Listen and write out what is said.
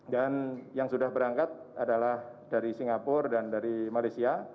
dan yang sudah berangkat adalah dari singapura dan dari malaysia